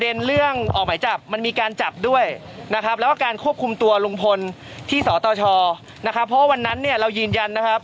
เป็นเรื่องออกหมายจับมันมีการจับด้วยถ้าครับ